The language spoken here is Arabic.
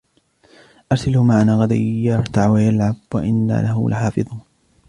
أَرْسِلْهُ مَعَنَا غَدًا يَرْتَعْ وَيَلْعَبْ وَإِنَّا لَهُ لَحَافِظُونَ